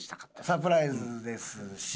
サプライズですし。